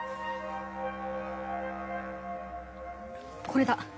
これだ。